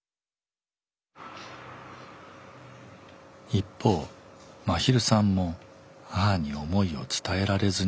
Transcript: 一方まひるさんも母に思いを伝えられずにいました。